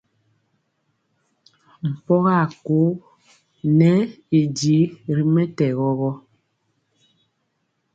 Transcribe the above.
Mpɔŋga a kóo ŋɛ y di ri mɛtɛgɔ gɔ.